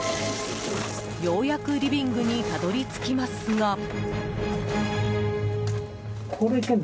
ようやくリビングにたどり着きますが。